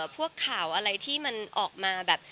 พวกข่าวอะไรที่มันออกมาแบบ